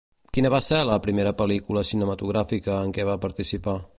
Quina va ser la primera pel·lícula cinematogràfica en què va participar?